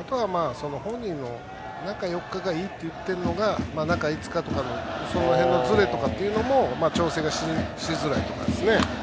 あとは本人の中４日がいいといっているのか中５日とかの、その辺のずれっていうのも調整しづらいですね。